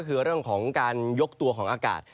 คือเรื่องของการยกตัวของอากาศ